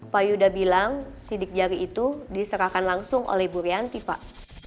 pak yuda bilang sidik jari itu diserahkan langsung oleh bu rianti pak